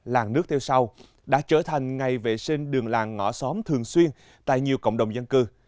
làng nước theo sau đã trở thành ngày vệ sinh đường làng ngõ xóm thường xuyên tại nhiều cộng đồng dân cư